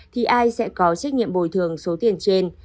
thì ai sẽ có trách nhiệm bồi thường số tiền trên